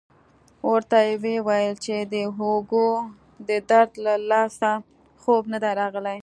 ورته ویې ویل چې د اوږو د درد له لاسه خوب نه دی راغلی.